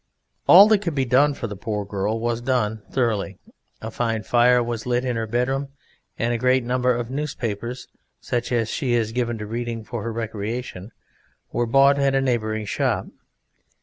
All that could be done for the poor girl was done thoroughly; a fine fire was lit in her bedroom, and a great number of newspapers such as she is given to reading for her recreation were bought at a neighbouring shop.